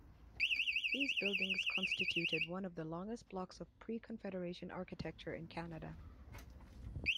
These buildings constituted one of the longest blocks of pre-Confederation architecture in Canada.